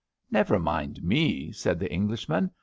Never mind me, '' said the Englishman.